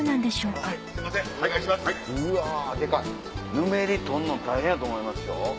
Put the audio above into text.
ぬめり取るの大変やと思いますよ。